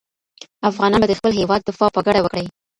افغانان به د خپل هېواد دفاع په ګډه وکړي.